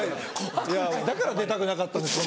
だから出たくなかったんです